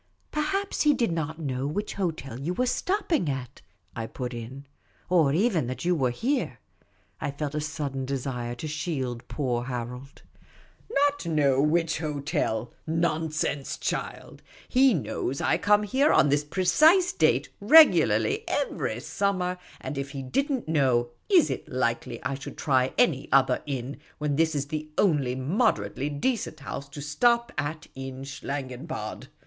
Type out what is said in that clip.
" Perhaps he did n't know which hotel you were stopping at," I put in, " Or even that you were here." I felt a sudden desire to shield poor Harold. '* Not know which hotel ? Nonsense, child ; he knows I come here on this precise date regularly every sumiver ; and if he did n't know, is it likely I should try any other inn, when this is the only moderately decent house to stop at in Schlangenbad